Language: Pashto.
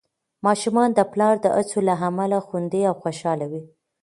ماشومان د پلار د هڅو له امله خوندي او خوشحال وي.